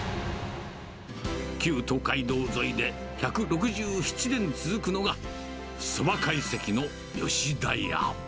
旧東海道沿いで、１６７年続くのが、そば会席の吉田家。